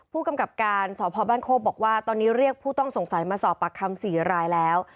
ผู้กำกับการสพบ้านโคกบอกว่าตอนนี้เรียกผู้ต้องสงสัยมาสอบปากคำ๔รายแล้ว